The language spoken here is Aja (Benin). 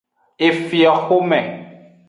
Efioxome.